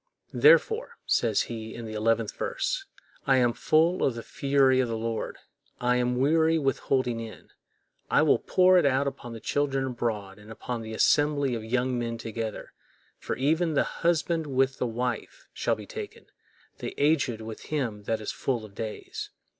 "Therefore," says he, in the eleventh verse, "I am full of the fury of the Lord; I am weary with holding in; I will pour it out upon the children abroad, and upon the assembly of young men together; for even the husband with the wife shall be taken, the aged with him that is full of days.